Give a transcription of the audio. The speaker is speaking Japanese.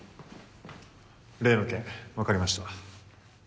例の件わかりました。